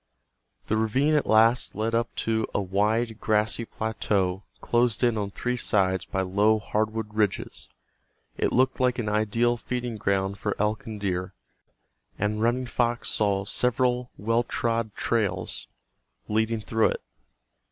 The ravine at last led up to a wide grassy plateau closed in on three sides by low hardwood ridges. It looked like an ideal feeding ground for elk and deer, and Running Fox saw several well trod trails leading through it.